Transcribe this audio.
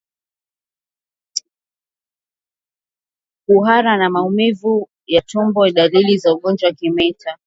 Kuhara na maumivu ya tumbo ni dalili za ugonjwa wa kimeta